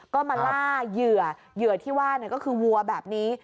ก็มาล่าเหยื่อเหยื่อที่ว่าก็คือวัวแบบนี้